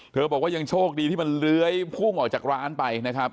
บอกว่ายังโชคดีที่มันเลื้อยพุ่งออกจากร้านไปนะครับ